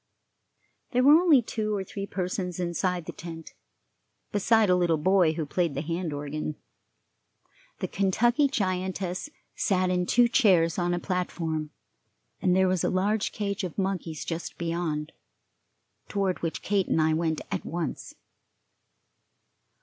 There were only two or three persons inside the tent, beside a little boy who played the hand organ. The Kentucky giantess sat in two chairs on a platform, and there was a large cage of monkeys just beyond, toward which Kate and I went at once.